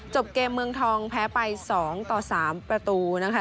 จบเกมเมืองทองแพ้ไป๒ต่อ๓ประตูนะคะ